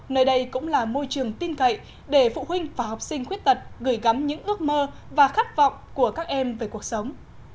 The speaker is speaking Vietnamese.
nơi đây cũng là môi trường tin cậy để phụ huynh và học sinh khuyết tật gửi gắm những ước mơ và khát vọng của các em về cuộc sống